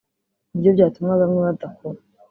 ku buryo byatuma bamwe badakora